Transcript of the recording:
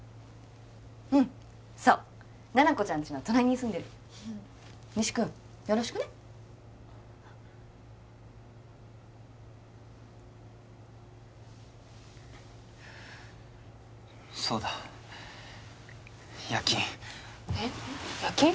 うんそう七子ちゃんちの隣に住んでる仁志君よろしくねそうだ夜勤えっ夜勤？